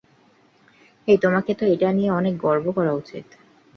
এই, তোমাকে তো এটা নিয়ে অনেক গর্ব করা উচিত।